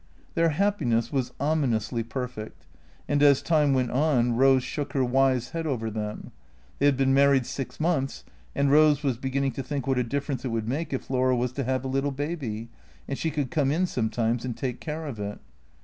Their happiness was ominously perfect. And as time went on Eose shook her wise head over them. They had been married six months, and Eose was beginning to think what a difference it would make if Laura was to have a little baby, and she could come in sometimes and take care of it.